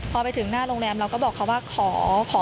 พอไปถึงหน้าโรงแรมเราก็บอกเขาว่าขอ